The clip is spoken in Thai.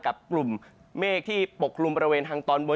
กลุ่มเมฆที่ปกลุ่มบริเวณทางตอนบน